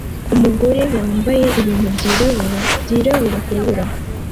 Umugore wambaye ibintu byirabura byirabura kurubura